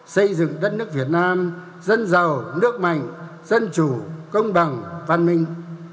xây dựng đất nước việt nam dân giàu nước mạnh dân chủ công bằng văn minh